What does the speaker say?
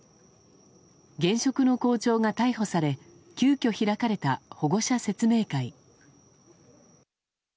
現職の校長が逮捕され、急きょ、開かれた保護者説明会。